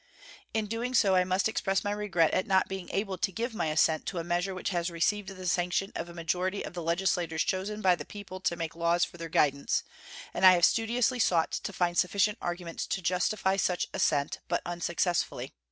In doing so I must express my regret at not being able to give my assent to a measure which has received the sanction of a majority of the legislators chosen by the people to make laws for their guidance, and I have studiously sought to find sufficient arguments to justify such assent, but unsuccessfully.